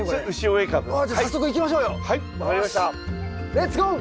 レッツゴー！